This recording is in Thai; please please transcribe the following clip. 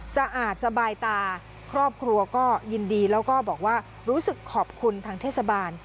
สะอาดสบายตาครอบครัวก็ยินดีแล้วก็บอกว่ารู้สึกขอบคุณทางเทศบาล